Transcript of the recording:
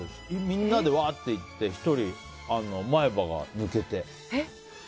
みんなでわーって行って１人、前歯が抜けて。